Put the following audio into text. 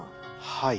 はい。